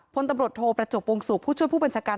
พลตำรวจโทประจบวงศุกร์ผู้ช่วยผู้บัญชาการ